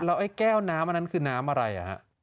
แล้วไอ้แก้วน้ำอันนั้นคือน้ำอะไร